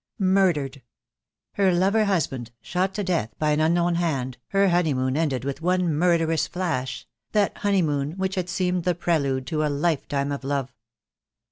Murdered ! Her lover husband shot to death by an unknown hand, her honeymoon ended with one murderous flash — that honey moon which had seemed the prelude to a lifetime of love.